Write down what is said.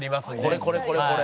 これこれこれこれ。